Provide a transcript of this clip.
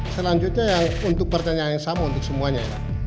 selanjutnya yang untuk pertanyaan yang sama untuk semuanya